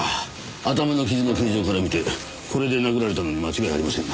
頭の傷の形状から見てこれで殴られたのに間違いありませんね。